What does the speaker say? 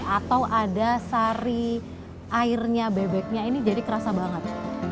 atau ada sari airnya bebeknya ini jadi kerasa banget